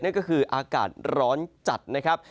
นั่นก็คืออากาศร้อนจัดนะครับ